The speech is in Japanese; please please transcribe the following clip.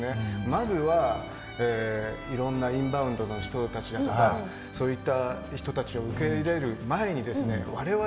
まずはいろんなインバウンドの人たちだとかそういった人たちを受け入れる前に我々